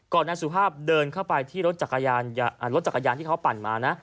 นายสุภาพเดินเข้าไปที่รถจักรยานที่เขาปั่นมานะ